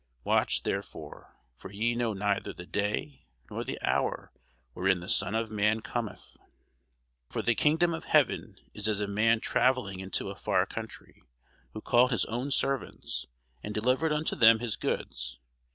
Watch therefore, for ye know neither the day nor the hour wherein the Son of man cometh. [Sidenote: St. Matthew 25] For the kingdom of heaven is as a man travelling into a far country, who called his own servants, and delivered unto them his goods.